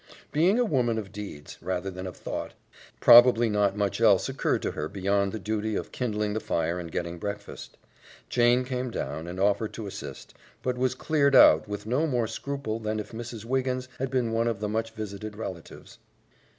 Being a woman of deeds, rather than of thought, probably not much else occurred to her beyond the duty of kindling the fire and getting breakfast. Jane came down, and offered to assist, but was cleared out with no more scruple than if Mrs. Wiggins had been one of the much visited relatives.